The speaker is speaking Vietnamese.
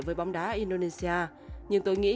với bóng đá indonesia nhưng tôi nghĩ